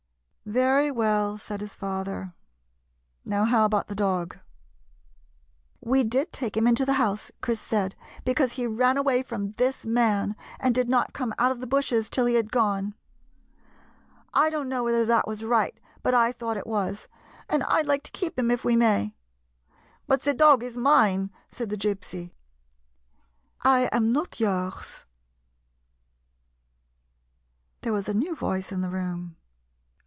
" Very well," said his father. " Now, how about the dog ?" 61 GYPSY, THE TALKING DOG "We did take liim into the house," Chris said, " because he ran away from this man and did not come out of the bushes till he had gone. I don't know whether that was right, but I thought it was. And I 'd like to keep him if we may." " But the dog is mine," said the Gypsy. " I am not yours." There was a new voice in the room.